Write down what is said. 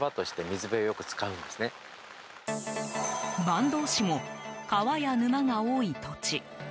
坂東市も川や沼が多い土地。